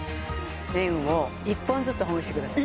麺を１本ずつほぐしてください。